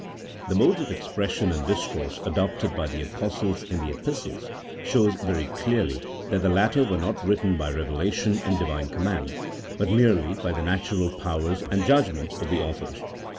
The modes of expression and discourse adopted by the Apostles in the Epistles, show very clearly that the latter were not written by revelation and Divine command, but merely by the natural powers and judgment of the authors.